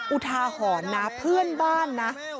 อุทาหรณ์นะเพื่อนบ้านนะ